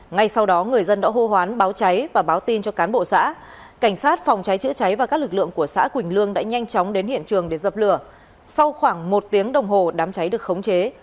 ngay sau đó người dân đã hô hoán báo cháy và báo tin cho cán bộ xã cảnh sát phòng cháy chữa cháy và các lực lượng của xã quỳnh lương đã nhanh chóng đến hiện trường để dập lửa sau khoảng một tiếng đồng hồ đám cháy được khống chế